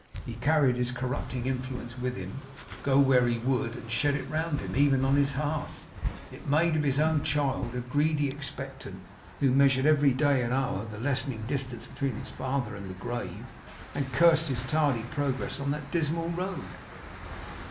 He carried his corrupting influence with him, go where he would; and shed it round him, even on his hearth. It made of his own child a greedy expectant, who measured every day and hour the lessening distance between his father and the grave, and cursed his tardy progress on that dismal road.